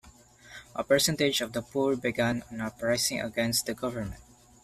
A percentage of the poor began an uprising against the government.